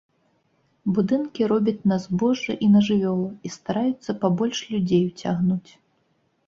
Будынкі робяць на збожжа і на жывёлу і стараюцца пабольш людзей уцягнуць.